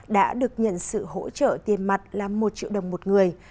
đã được nhận sự hỗ trợ tiền mặt là một triệu đồng một người